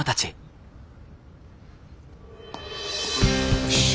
よし。